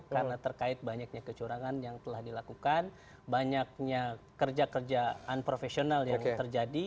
karena terkait banyaknya kecurangan yang telah dilakukan banyaknya kerja kerja unprofessional yang terjadi